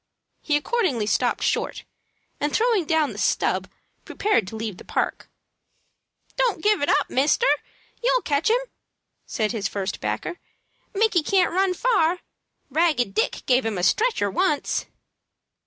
He accordingly stopped short, and, throwing down the "stub," prepared to leave the park. "Don't give it up, mister! You'll catch him," said his first backer. "Micky can't run far. Ragged Dick give him a stretcher once."